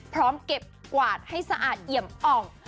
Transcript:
พร้อมเก็บกวาดให้สะอาดเอี่ยมอ่อง